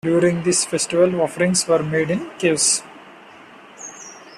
During this festival, offerings were made in caves.